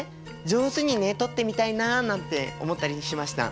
上手にね撮ってみたいななんて思ったりしました。